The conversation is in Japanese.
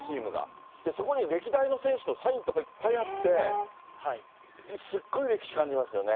そこに歴代の選手のサインとかいっぱいあって、すっごい歴史感じますよね。